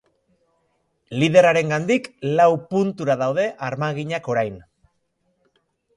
Liderrarengandik lau puntura daude armaginak orain.